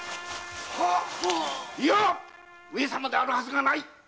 いや上様であるはずがない。